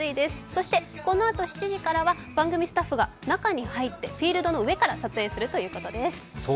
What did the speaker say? そしてこのあと７時からは番組スタッフが中に入ってフィールドの上から撮影するということです。